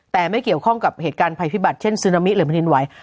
แต่ไม่เกี่ยวข้องกับเหตุการณ์ภัยพิบัตรเช่นซึนามิหรือแผ่นดินไหว